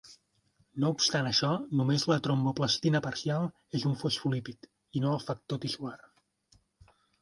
No obstant això, només la tromboplastina parcial és un fosfolípid, i no el factor tissular.